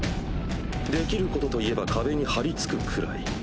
出来る事といえば壁に張りつくくらい。